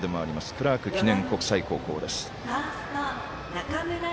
クラーク記念国際高校です。